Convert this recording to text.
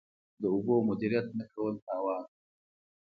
د اوبو مدیریت نه کول تاوان دی.